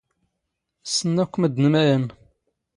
ⵙⵙⵏⵏ ⴰⴽⴽⵯ ⵎⴷⴷⵏ ⵎⴰⵢⴰⵏⵏ.